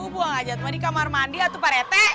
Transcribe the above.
buang hajat mah di kamar mandi ya tu paretek